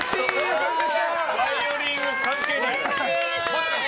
バイオリン関係ない。